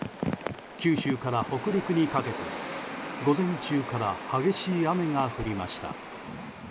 九州から北陸にかけて午前中から激しい雨が降りました。